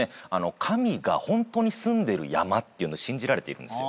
神がホントにすんでる山って信じられているんですよ。